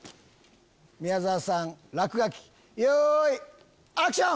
宮沢さん『落書き』よいアクション！